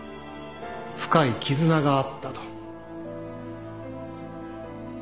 深い絆があったと。